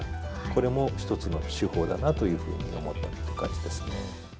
これも一つの手法だなというふうに思ったという感じですね。